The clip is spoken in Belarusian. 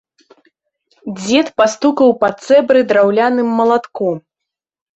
Дзед пастукаў па цэбры драўляным малатком.